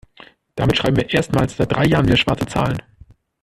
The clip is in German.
Damit schreiben wir erstmals seit drei Jahren wieder schwarze Zahlen.